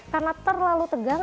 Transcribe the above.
karena terlalu tegang